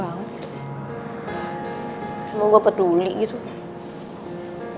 ini seperti ini nih